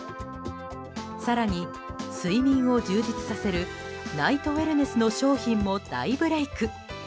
更に、睡眠を充実させるナイトウェルネスの商品も大ブレーク。